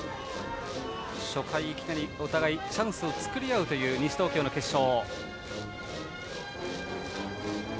初回いきなりお互いチャンスを作り合うという西東京の決勝。